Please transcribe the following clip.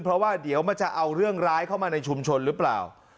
เพราะว่าเดี๋ยวมันจะเอาเรื่องร้ายเข้ามาในชุมชนหรือเปล่า